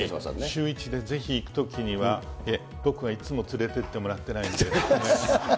シューイチでぜひ、行くときには、僕はいつも連れて行ってもらっていないので。